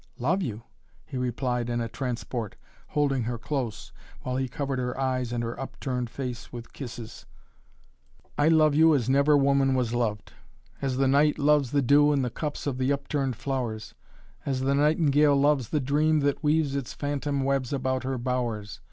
"Love you?" he replied in a transport, holding her close, while he covered her eyes and her upturned face with kisses. "I love you as never woman was loved as the night loves the dew in the cups of the upturned flowers as the nightingale loves the dream that weaves its phantom webs about her bowers.